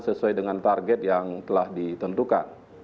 sesuai dengan target yang telah ditentukan